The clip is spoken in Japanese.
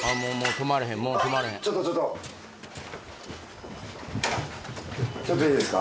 ちょっとちょっとちょっといいですか？